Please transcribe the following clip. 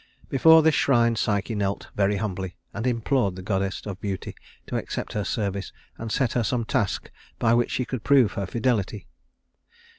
Before this shrine Psyche knelt very humbly, and implored the goddess of Beauty to accept her service and set her some task by which she could prove her fidelity.